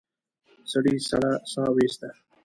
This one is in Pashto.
سړي سړه سا ويسته.